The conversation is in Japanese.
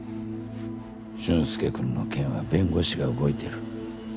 俊介君の件は弁護士が動いてる。